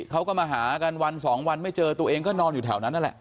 เขาก็มาหากันวันสองวันไม่เจอตัวเองก็นอนอยู่แถวนั้นนั่นแหละ